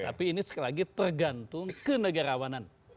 tapi ini sekali lagi tergantung kenegarawanan